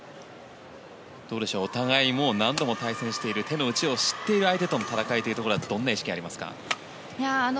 お互い何度も対戦している手の内を知っている相手との戦いというのはどんな意識がありますか？